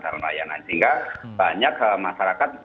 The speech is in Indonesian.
sehingga banyak masyarakat